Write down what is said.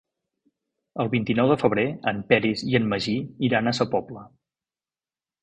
El vint-i-nou de febrer en Peris i en Magí iran a Sa Pobla.